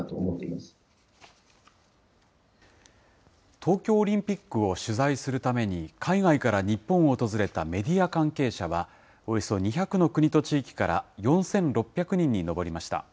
東京オリンピックを取材するために、海外から日本を訪れたメディア関係者は、およそ２００の国と地域から４６００人に上りました。